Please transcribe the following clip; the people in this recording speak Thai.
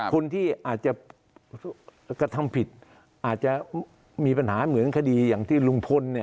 คนที่อาจจะกระทำผิดอาจจะมีปัญหาเหมือนคดีอย่างที่ลุงพล